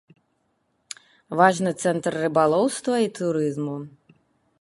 Важны цэнтр рыбалоўства і турызму.